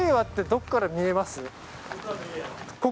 ここから見えます？